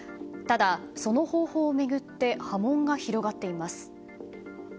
ただ、その方法を巡って波紋が広がっています。